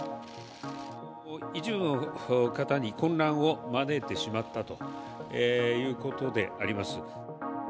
一部の方に混乱を招いてしまったということであります。